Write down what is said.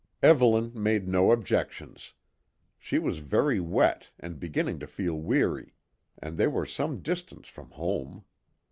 Evelyn made no objections. She was very wet and beginning to feel weary, and they were some distance from home.